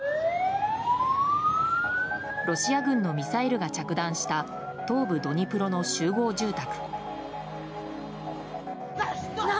ロシア軍のミサイルが着弾した東部ドニプロの集合住宅。